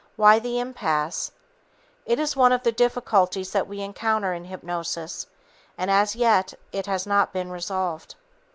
Why the impasse? It is one of the difficulties that we encounter in hypnosis, and as yet it has not been resolved.